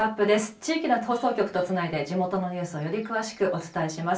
地域の放送局とつないで地元のニュースをより詳しくお伝えします。